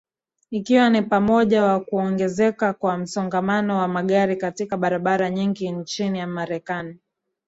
ikiwa ni pamoja na kuongezeka kwa msongamano wa magari katika barabara nyingi nchini marekani